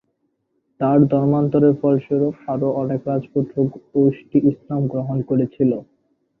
তাঁর ধর্মান্তরের ফলস্বরূপ, আরও অনেক রাজপুত গোষ্ঠী ইসলাম গ্রহণ করেছিল।